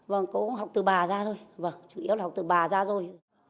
vâng cô cũng học từ bà ra thôi vâng chủ yếu là học từ bà ra rồi